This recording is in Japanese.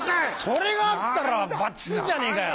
それがあったらばっちりじゃねえかよ。